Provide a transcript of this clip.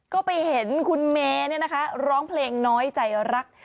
ก็ไปเห็นคุณเมเนี่ยนะคะร้องเพลงน้อยใจรัก